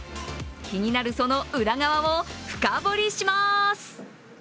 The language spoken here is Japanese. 気になるその裏側を深堀りします。